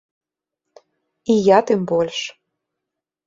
І я тым больш.